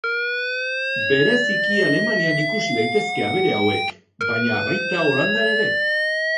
Bereziki Alemanian ikusi daitezke abere hauek, baina baita Holandan ere.